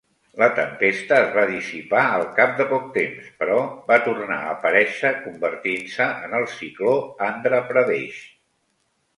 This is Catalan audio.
La tempesta es va dissipar al cap de poc temps, però va tornar a aparèixer convertint-se en el cicló Andhra Pradesh.